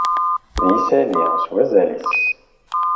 D isalli s wazal-is.